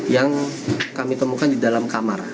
yang kami temukan di dalam kamar